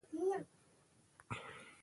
• دروغ د انسان حیثیت تباه کوي.